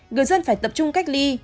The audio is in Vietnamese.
người dân phải tập trung cách ly